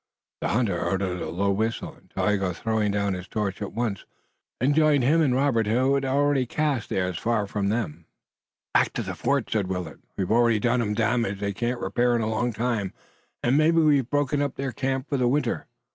The hunter uttered a low whistle and Tayoga throwing down his torch, at once joined him and Robert who had already cast theirs far from them. "Back to the fort!" said Willet. "We've already done 'em damage they can't repair in a long time, and maybe we've broken up their camp for the winter!